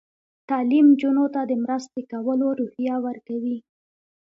تعلیم نجونو ته د مرستې کولو روحیه ورکوي.